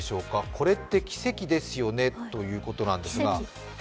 これって奇跡ですよね？ということなんですが。